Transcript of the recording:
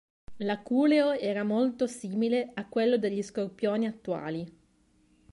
L'aculeo era molto simile a quello degli scorpioni attuali.